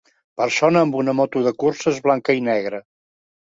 Persona amb una moto de curses blanca i negra